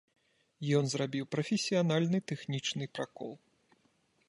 Ён зрабіў прафесіянальны тэхнічны пракол.